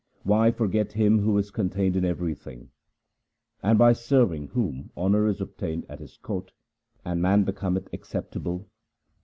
Why forget Him who is contained in everything, And by serving whom honour is obtained at His court and man becometh acceptable